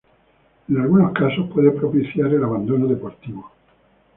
En algunos casos puede propiciar el abandono deportivo.